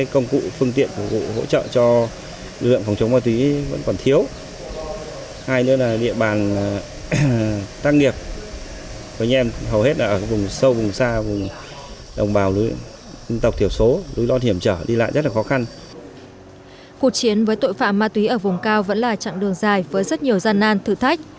cuộc chiến với tội phạm ma túy ở vùng cao vẫn là chặng đường dài với rất nhiều gian nan thử thách